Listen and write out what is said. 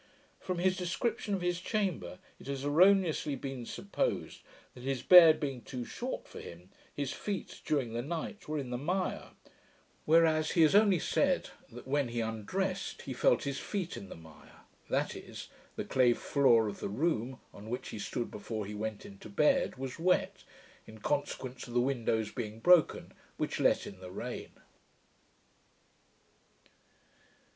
From his description of his chamber, it has erroneously been supposed, that his bed being too short for him, his feet, during the night, were in the mire; whereas he has only said, that when he undressed, he felt his feet in the mire: that is, the clay floor of the room, on which he stood before he went into bed, was wet, in consequence of the windows being broken, which let in the rain.